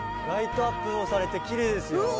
「ライトアップもされてきれいですよ」